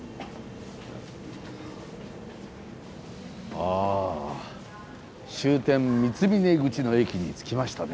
あ終点三峰口の駅に着きましたね。